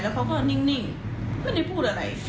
เขาก็นิ่งไม่ได้พูดอะไร